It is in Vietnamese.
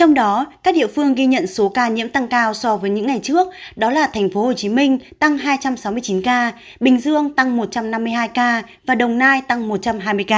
trong đó các địa phương ghi nhận số ca nhiễm tăng cao so với những ngày trước đó là tp hcm tăng hai trăm sáu mươi chín ca bình dương tăng một trăm năm mươi hai ca và đồng nai tăng một trăm hai mươi ca